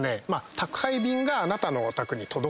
宅配便があなたのお宅に届きますと。